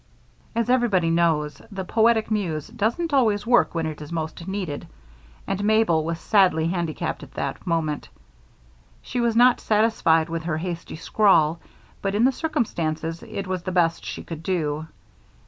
As everybody knows, the poetic muse doesn't always work when it is most needed, and Mabel was sadly handicapped at that moment. She was not satisfied with her hasty scrawl but, in the circumstances, it was the best she could do.